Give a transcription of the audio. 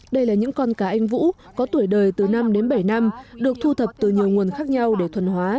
đây là những con cá anh vũ có tuổi đời từ năm đến bảy năm được thu thập từ nhiều nguồn khác nhau để thuần hóa